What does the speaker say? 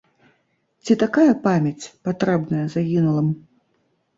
Ці такая памяць патрэбная загінулым?